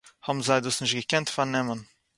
האָבן זיי דאָס נישט געקענט פאַרנעמען